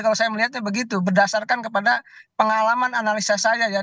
kalau saya melihatnya begitu berdasarkan kepada pengalaman analisa saya ya